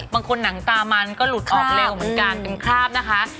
หนังตามันก็หลุดออกเร็วเหมือนกันเป็นคราบนะคะ